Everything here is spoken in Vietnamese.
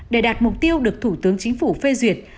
để đạt mục tiêu được thủ tướng chính phủ phê duyệt